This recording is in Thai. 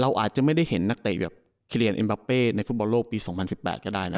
อาจจะไม่ได้เห็นนักเตะแบบคิเรียนเอ็มบาเป้ในฟุตบอลโลกปี๒๐๑๘ก็ได้นะ